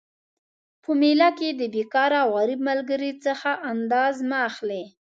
په میله کي د بیکاره او غریب ملګري څخه انداز مه اخلئ